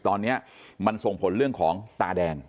ตอนนี้มันส่งผลเรื่องของตาแดง